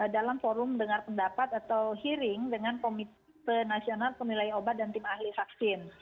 dalam forum dengar pendapat atau hearing dengan komite nasional penilai obat dan tim ahli vaksin